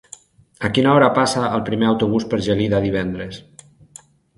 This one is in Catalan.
A quina hora passa el primer autobús per Gelida divendres?